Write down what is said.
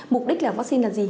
mục đích là vaccine là gì